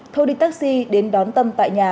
thôi đi taxi đến đón tâm tại nhà